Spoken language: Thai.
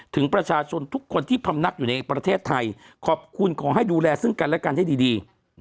ถึงประชาชนทุกคนที่พำนักอยู่ในประเทศไทยขอบคุณขอให้ดูแลซึ่งกันและกันให้ดี